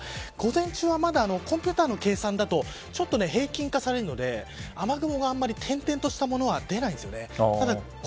午前中はコンピューターの計算だと平均化されるので雨雲はあんまり点々としたもの出ないんですね。